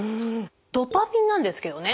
ドパミンなんですけどね